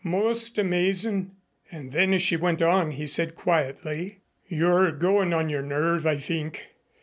"Most amazin'!" And then as she went on, he said quietly: "You're goin' on your nerve, I think.